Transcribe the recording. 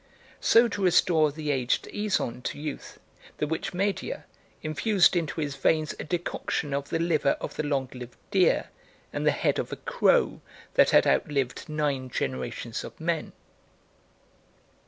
So to restore the aged Aeson to youth, the witch Medea infused into his veins a decoction of the liver of the long lived deer and the head of a crow that had outlived nine generations of men.